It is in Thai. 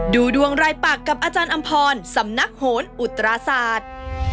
ดูดวงรายปากกับอาจารย์อำพรสำนักโหนอุตราศาสตร์